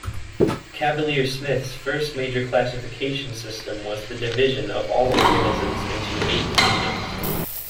Cavalier-Smith's first major classification system was the division of all organisms into eight kingdoms.